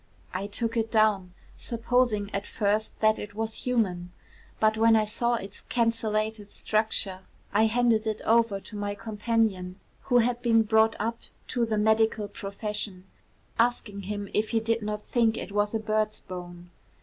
I took it down, supposing at first that it was human; but when I saw its cancellated structure, I handed it over to my companion, who had been brought up to the medical profession, asking him if he did not think it was a bird's bone.